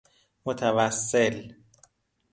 متوسل